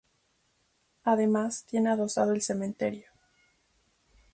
Además tiene adosado el cementerio.